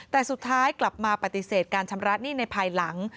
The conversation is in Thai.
แต่สุดท้ายกลับมาปฏิเสธการชำระหนี้ในภายหลัง